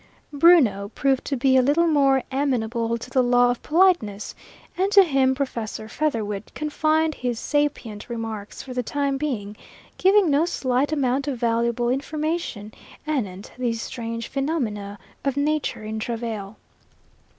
Bruno proved to be a little more amenable to the law of politeness, and to him Professor Featherwit confined his sapient remarks for the time being, giving no slight amount of valuable information anent these strange phenomena of nature in travail.